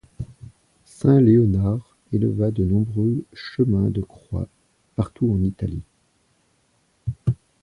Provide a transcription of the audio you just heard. Saint Léonard éleva de nombreux chemins de croix, partout en Italie.